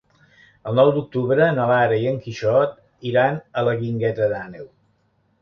El nou d'octubre na Lara i en Quixot iran a la Guingueta d'Àneu.